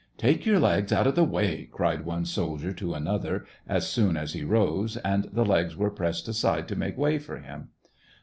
" Take your legs out of the way !" cried one soldier to another, as soon as he rose, and the legs were pressed aside to make way for him.